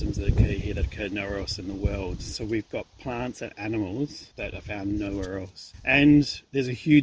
jadi ini adalah area yang sangat penting